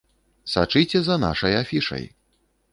Сачыце за нашай афішай!